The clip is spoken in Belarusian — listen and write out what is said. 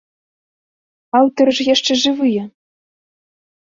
Аўтары ж яшчэ жывыя!